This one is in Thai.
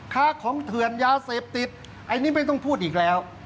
ค้าของเถื่อนยาเสพติดอันนี้ไม่ต้องพูดอีกแล้ว